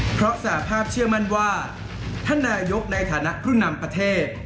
เพราะสหภาพเชื่อมั่นว่าท่านนายกในฐานะผู้นำประเทศ